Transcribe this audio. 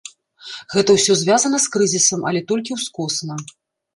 Гэта ўсё звязана з крызісам, але толькі ўскосна.